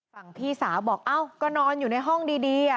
พี่สาวบอกเอ้าก็นอนอยู่ในห้องดี